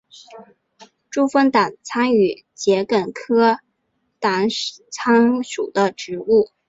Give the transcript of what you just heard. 珠峰党参为桔梗科党参属的植物。